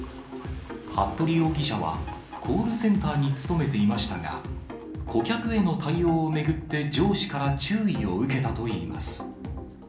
服部容疑者は、コールセンターに勤めていましたが、顧客への対応を巡って、上司から注意を受けたといいます。